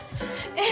えっ？